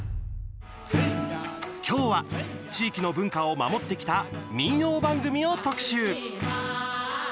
今日は地域の文化を守ってきた民謡番組を特集。